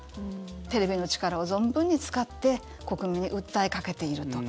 テレビの力を存分に使って国民に訴えかけていると。